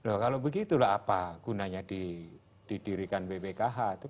kalau begitu lah apa gunanya didirikan bpkh